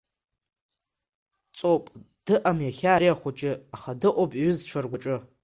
Ҵоуп, дыҟам иахьа ари ахәыҷы, аха дыҟоуп иҩызцәа ргәаҿы.